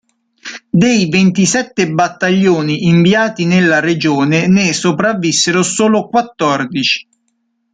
Dei ventisette battaglioni inviati nella regione ne sopravvissero solo quattordici.